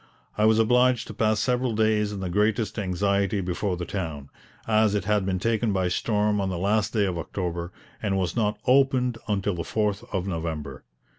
I was obliged to pass several days in the greatest anxiety before the town, as it had been taken by storm on the last day of October and was not opened until the 4th of November.